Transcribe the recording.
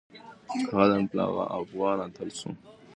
هغه د افغان اتل شو